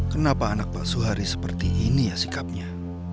kenapa anak pak suhari seperti ini ya sikapnya